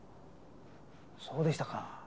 そうでしたか。